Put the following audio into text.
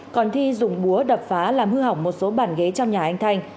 còn thi dùng búa đập phá làm hư hỏng một số bàn ghế trong nhà anh thanh